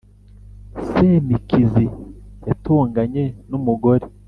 semikizi yatonganye n"u mugore,